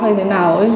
vì vậy thành công